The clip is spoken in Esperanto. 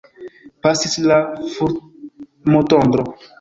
Pasis la fulmotondro.